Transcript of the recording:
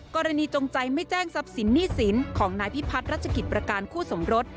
จงใจไม่แจ้งทรัพย์สินหนี้สินของนายพิพัฒน์รัชกิจประการคู่สมรส